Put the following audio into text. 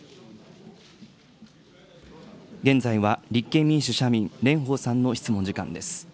現在は立憲民主・社民、蓮舫さんの質問時間です。